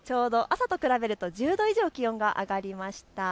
朝と比べると１０度以上気温が上がりました。